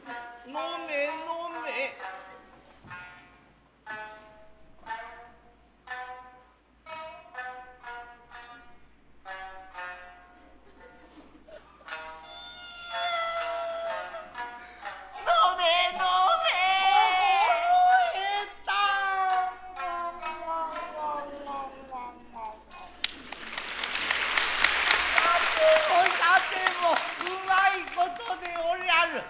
さてもさても旨いことでおりやる。